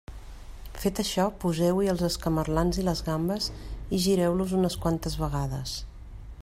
Fet això, poseu-hi els escamarlans i les gambes i gireu-los unes quantes vegades.